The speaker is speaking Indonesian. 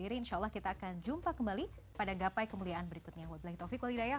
insya allah kita akan jumpa kembali pada gapai kemuliaan berikutnya